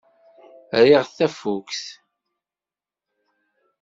Riɣ tafukt.